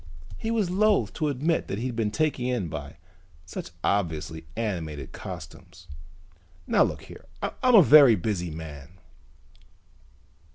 He was loathe to admit that he'd been taken in by such obviously animated costumes. "Now look here, I'm a very busy man."